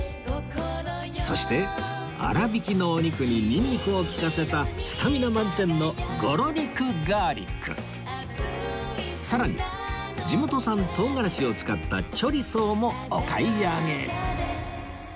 そして粗びきのお肉にニンニクを利かせたスタミナ満点のさらに地元産唐辛子を使ったチョリソーもお買い上げ